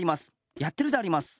やってるであります。